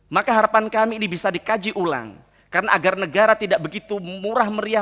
maka harapan kami ini bisa dikaji ulang karena agar negara tidak begitu murah meriah